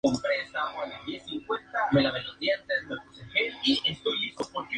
La sierra de Tucson toma su nombre de la actual ciudad de Tucson.